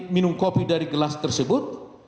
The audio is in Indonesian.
minum kopi dari gelas tersebut